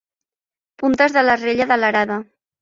Puntes de la rella de l'arada.